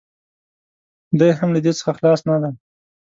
دی هم له دې څخه خلاص نه دی.